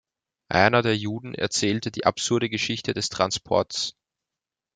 Einer der Juden erzählt die absurde Geschichte des Transportes.